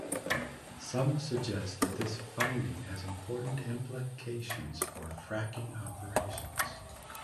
Some suggest that this finding has important implications for fracking operations.